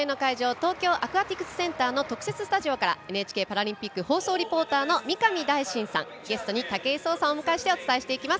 東京アクアティクスセンターの特設スタジオからＮＨＫパラリンピック放送リポーターの三上大進さん、ゲストに武井壮さんをお迎えしてお伝えしていきます。